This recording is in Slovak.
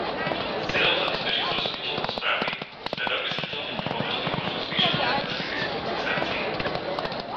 S cieľom zabezpečiť zrozumiteľnosť správy, sme veľmi zreteľne pripomenuli možnosť zvýšenia už existujúcich sankcií.